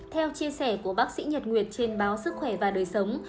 theo chia sẻ của bác sĩ nhật nguyệt trên báo sức khỏe và đời sống